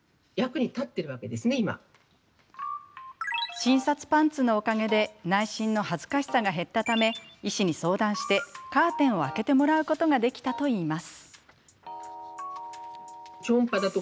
診察パンツのおかげで内診の恥ずかしさが減ったため医師に相談してカーテンを開けてもらうことができたといいます。